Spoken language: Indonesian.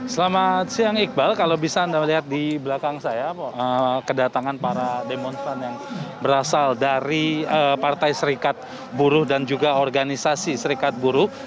selamat siang iqbal kalau bisa anda melihat di belakang saya kedatangan para demonstran yang berasal dari partai serikat buruh dan juga organisasi serikat buruh